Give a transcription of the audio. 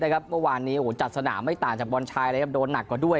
เมื่อวานนี้จัดสนามไม่ต่างจากบอลชายเลยครับโดนหนักกว่าด้วย